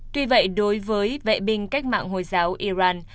tuy vậy đối với vệ binh cách mạng hồi giáo iran